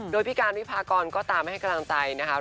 โดยพี่การวิพากรก็ตามให้กำลังใจนะคะ